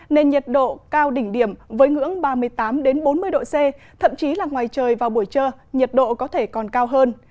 nên nhiệt độ cao đỉnh điểm với ngưỡng ba mươi tám bốn mươi độ c thậm chí là ngoài trời vào buổi trưa nhiệt độ có thể còn cao hơn